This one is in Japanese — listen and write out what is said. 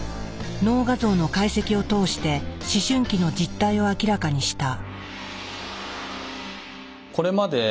脳画像の解析を通して思春期の実態を明らかにした。